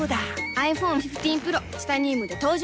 ｉＰｈｏｎｅ１５Ｐｒｏ チタニウムで登場